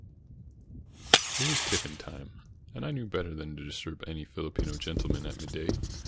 It was tiffin time, and I knew better than to disturb any Filipino gentleman at midday.